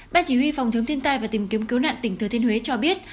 ban chỉ huy phòng chống thiên tai và tìm kiếm cứu nạn tỉnh thừa thiên huế cho biết